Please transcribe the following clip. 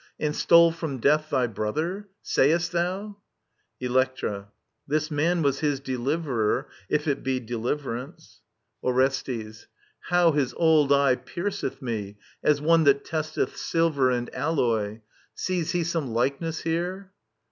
And stole from death thy brother ? Sayest thou i Electra. This man was his deh'verer, if it be Deliverance. Orestes. How his old eye pierceth me^ As one that testeth silver and alloy I Sees he some likeness here